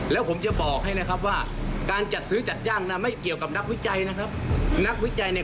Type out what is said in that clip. ส่วนระบบการจัดซื้อจัดจ้างเนี่ยเป็นเรื่องของคุณ